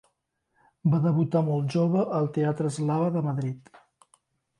Va debutar molt jove al teatre Eslava de Madrid.